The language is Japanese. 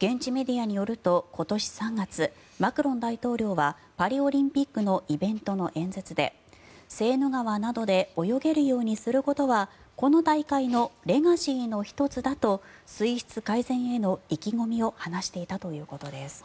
現地メディアによると今年３月、マクロン大統領はパリオリンピックのイベントの演説でセーヌ川などで泳げるようにすることはこの大会のレガシーの１つだと水質改善への意気込みを話していたということです。